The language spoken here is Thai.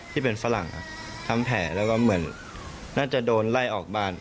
ฝรั่งทำแผลแล้วก็เหมือนน่าจะโดนไล่ออกบ้าน